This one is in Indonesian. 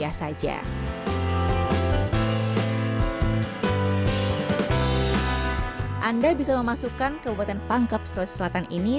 anda bisa memasukkan kabupaten pangkep sulawesi selatan ini